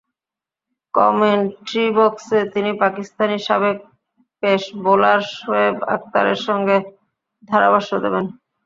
Commentary বক্সে তিনি পাকিস্তানি সাবেক পেস বোলার শোয়েব আকতারের সঙ্গে ধারাভাষ্য দেবেন।